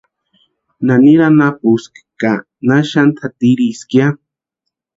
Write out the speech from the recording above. ¿Naniri anapueski ka na xanti jatiriski ya?